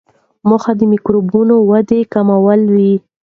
موخه د میکروبونو ودې کمول وي.